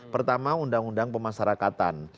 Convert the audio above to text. pertama undang undang pemasarakatan